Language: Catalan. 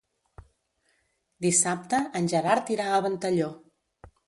Dissabte en Gerard irà a Ventalló.